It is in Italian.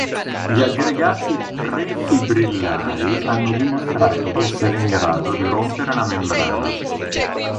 Gli aggregati prefibrillari hanno dimostrato di essere in grado di rompere la membrana.